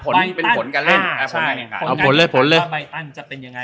ใบตั้นอ่าใช่คนละอีกคำว่าใบตั้นจะเป็นยังไง